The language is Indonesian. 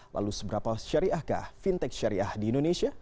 lalu seberapa syariahkah fintech syariah di indonesia